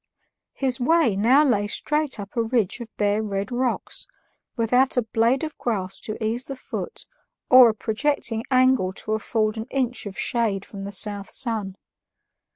His way now lay straight up a ridge of bare red rocks, without a blade of grass to ease the foot or a projecting angle to afford an inch of shade from the south sun.